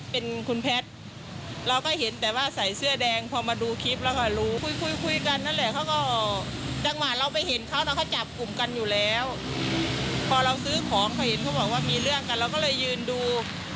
พอเราซื้อของเขาเห็นเขาบอกว่ามีเรื่องกันเราก็เลยยืนดู